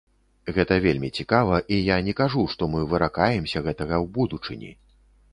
Гэта вельмі цікава, і я не кажу, што мы выракаемся гэтага ў будучыні.